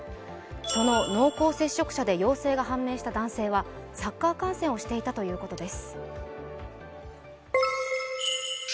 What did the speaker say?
その濃厚接触者で陽性が判明した男性はサッカー観戦をしていたということです。